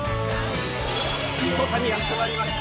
土佐にやってまいりました。